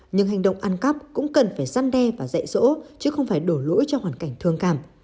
nhưng hành động ăn cắp cũng cần phải giăn đe và dạy dỗ chứ không phải đổ lỗi cho hoàn cảnh thương cảm